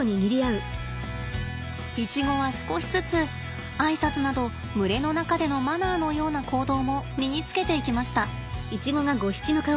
イチゴは少しずつあいさつなど群れの中でのマナーのような行動も身につけていきました。